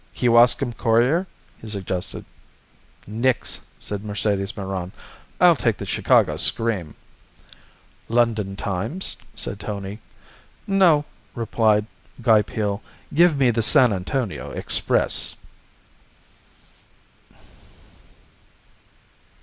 "Kewaskum Courier?" he suggested. "Nix," said Mercedes Meron, "I'll take a Chicago Scream." "London Times?" said Tony. "No," replied Guy Peel. "Give me the San Antonio Express."